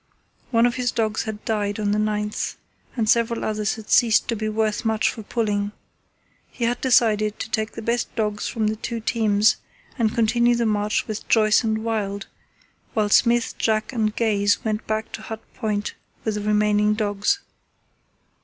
One of his dogs had died on the 9th, and several others had ceased to be worth much for pulling. He had decided to take the best dogs from the two teams and continue the march with Joyce and Wild, while Smith, Jack, and Gaze went back to Hut Point with the remaining dogs.